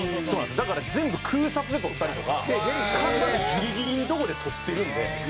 そうなんですだから全部空撮で撮ったりとか火山ギリギリの所で撮ってるんで。